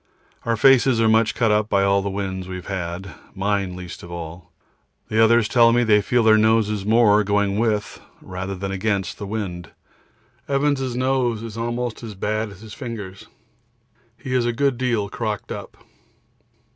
Our faces are much cut up by all the winds we have had, mine least of all; the others tell me they feel their noses more going with than against the wind. Evans' nose is almost as bad as his fingers. He is a good deal crocked up.